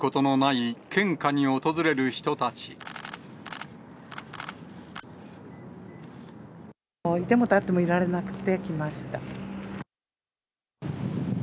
いてもたってもいられなくて来ました。